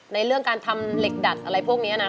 ในเรื่องการทำเหล็กดัดอะไรพวกนี้นะ